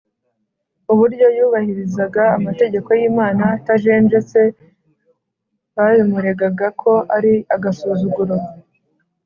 . Uburyo yubahirizaga amategeko y’Imana atajenjetse babimuregaga ko ari agasuzuguro.